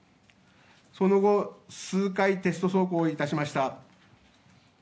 その後、数回テスト走行致しました。